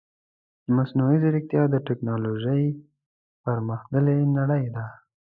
مصنوعي ځيرکتيا د تکنالوژي پرمختللې نړۍ ده .